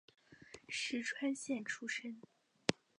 石川县出身。